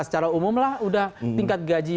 secara umum lah udah tingkat gaji